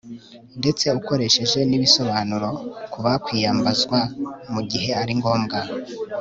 ndetse ukoresheje n'ibisobanuro ku bakwiyambazwa mu gihe ari ngombwa